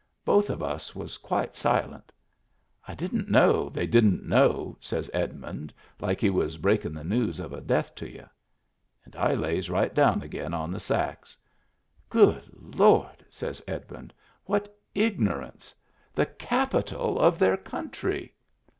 Both of us was quite silent " I didn't know they didn't know," says Edmund, like he was breaking the news of a death to y'u. And I lays right down again on the sacks. "Good Lord!" says Edmund, "what igno rance. The capital of their country!"